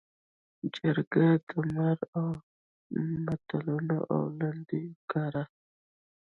جرګه مار له متلونو او لنډیو کار اخلي